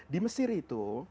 di mesir itu